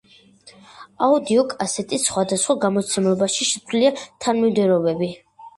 აუდიოკასეტის სხვადასხვა გამოცემაში შეცვლილია თანმიმდევრობები.